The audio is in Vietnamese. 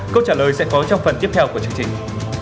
câu trả lời sẽ có trong phần tiếp theo của chương trình